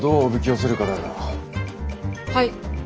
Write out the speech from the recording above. はい。